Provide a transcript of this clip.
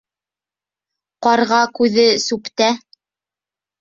Ҡарға күҙе сүптә.